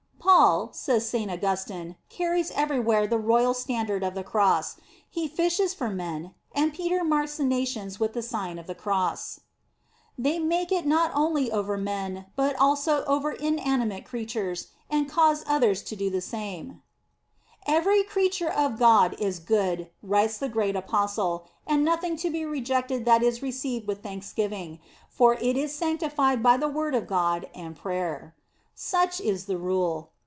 "Paul," says Saint Augustin, "carries everywhere the royal standard of the Cross. He fishes for men, and Peter marks the nations with the Sign of the Cross. "f They make it not only over men, tut also over inanimate creatures, and cause others to do the same. "Every creature of God * S. Simeon, Metaph. in Joan. f Serm. xxviii. 6 62 The Sign of the Cross is good," writes the great Apostle, "and nothing to be rejected that is received with thanksgiving; for it is sanctified by the word of God and prayer." * Such is the rule.